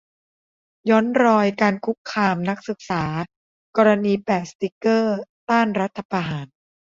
ย้อนรอยการคุกคามนักศึกษา กรณีแปะสติ๊กเกอร์ต้านรัฐประหาร